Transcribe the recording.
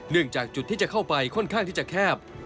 จากจุดที่จะเข้าไปค่อนข้างที่จะแคบ